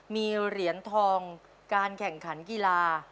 มีเหรียญทองการแข่งขันกีฬา